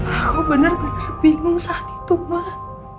aku bener bener bingung saat itu mbak